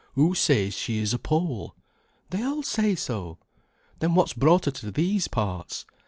"Who says she's a Pole?" "They all say so." "Then what's brought her to these parts?"